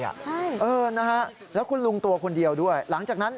ใช่เออนะฮะแล้วคุณลุงตัวคนเดียวด้วยหลังจากนั้น